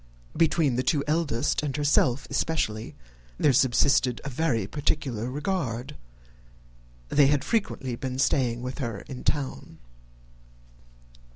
Between the two eldest and herself especially, there subsisted a very particular regard. They had frequently been staying with her in town.